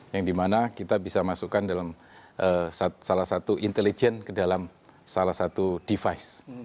yang dimana kita bisa masukkan dalam salah satu intelijen ke dalam salah satu device